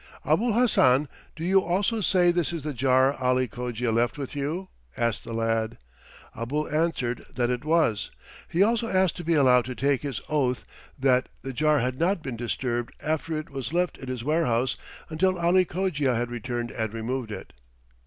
"Abul Hassan, do you also say this is the jar Ali Cogia left with you?" asked the lad. Abul answered that it was. He also asked to be allowed to take his oath that the jar had not been disturbed after it was left in his warehouse until Ali Cogia had returned and removed it.